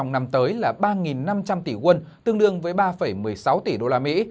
là ba năm trăm linh tỷ quân tương đương với ba một mươi sáu tỷ đô la mỹ